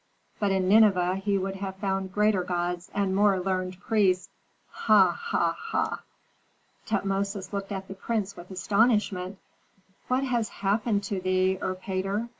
But in Nineveh he could have found greater gods and more learned priests. Ha! ha! ha!" Tutmosis looked at the prince with astonishment. "What has happened to thee, Erpatr?"